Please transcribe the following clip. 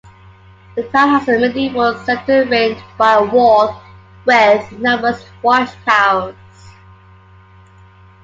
The town has a medieval center ringed by a wall with numerous watch towers.